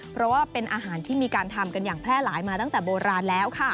เพราะว่าเป็นอาหารที่มีการทำกันอย่างแพร่หลายมาตั้งแต่โบราณแล้วค่ะ